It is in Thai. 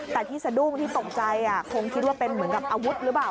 แต่ที่สะดุ้งที่ตกใจคงคิดว่าเป็นเหมือนกับอาวุธหรือเปล่า